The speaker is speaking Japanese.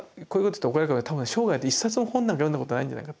多分生涯で一冊も本なんか読んだことないんじゃないかと思いますよ。